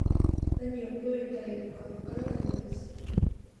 何を、どう言ったらいいのか、わからないのです